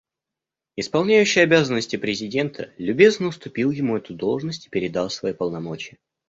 Исполняющий обязанности президента любезно уступил ему эту должность и передал свои полномочия.